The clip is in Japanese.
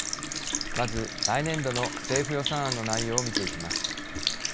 まず来年度の政府予算案の内容を見ていきます。